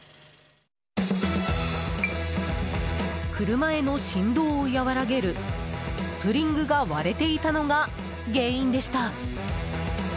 車への振動を和らげるスプリングが割れていたのが原因でした。